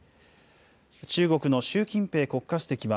中国の習近平国家主席は、